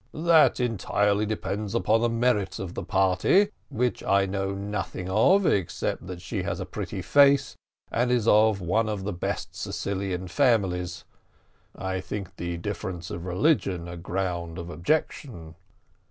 "That entirely depends upon the merit of the party, which I know nothing of, except that she has a pretty face, and is of one of the best Sicilian families. I think the difference of religion a ground of objection."